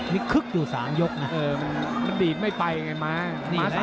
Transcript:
มีคึกอยู่๓ยกนะเออมันดีดไม่ไปไงม้าม้าสาธารณะ